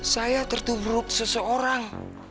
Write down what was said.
saya tertubruk seseorang